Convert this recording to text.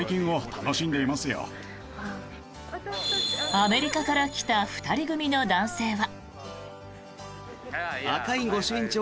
アメリカから来た２人組の男性は。